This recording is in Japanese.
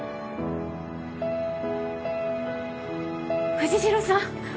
藤代さん！